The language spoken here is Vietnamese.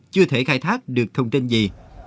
chưa thể khai thác được thông tin gì